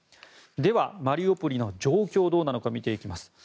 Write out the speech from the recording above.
では、マリウポリの状況はどうなのか見ていきます。